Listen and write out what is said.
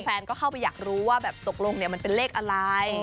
แฟนก็เข้าไปอยากรู้ว่าแบบตกลงมันเป็นเลขอะไร